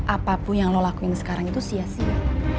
apapun yang lo lakuin sekarang itu sia sia